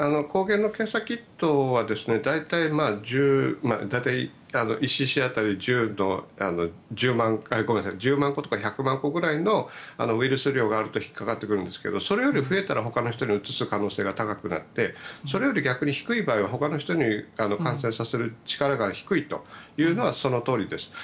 抗原検査キットは大体１ｃｃ当たり１０万個とか１００万個ぐらいのウイルス量があると引っかかってくるんですがそれより増えたら、ほかの人にうつす可能性が高くなってそれより逆に低い場合はほかの人に感染させる力が低いというのはそのとおりです。